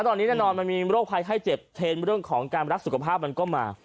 ตอนนี้แน่นอนมันมีโรคภัยไข้เจ็บเทรนด์เรื่องของการรักสุขภาพมันก็มา